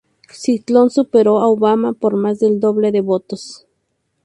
Clinton superó a Obama por más del doble de votos.